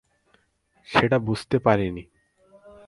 সেটা বুঝতে পারিনি।